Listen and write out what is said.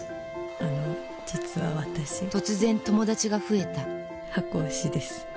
あの実は私突然友達が増えた箱推しです。